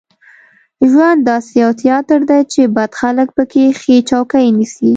ژوند داسې یو تیاتر دی چې بد خلک په کې ښې چوکۍ نیسي.